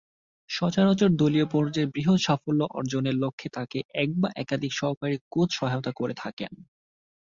সচরাচর দলীয় পর্যায়ে বৃহৎ সাফল্য অর্জনের লক্ষ্যে তাকে এক বা একাধিক সহকারী কোচ সহায়তা করে থাকেন।